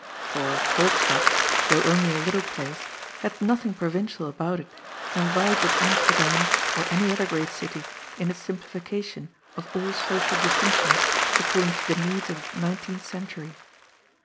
For Koopstad, though only a little place, had nothing pro vincial about it, and vied with Amsterdam or any other great city in its simplification of all social distinctions ac cording to the needs of the nineteenth century.